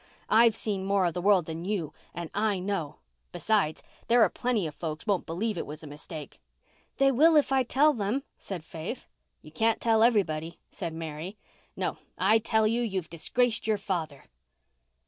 I'VE seen more of the world than you and I know. Besides, there are plenty of folks won't believe it was a mistake." "They will if I tell them," said Faith. "You can't tell everybody," said Mary. "No, I tell you you've disgraced your father."